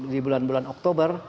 di bulan bulan oktober